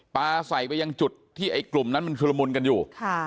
ปาใส่ไปยังจุดที่ไอจุดนั่นมันช่วงละมุนกันอยู่